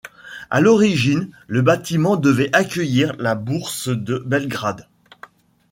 À l'origine, le bâtiment devait accueillir la Bourse de Belgrade.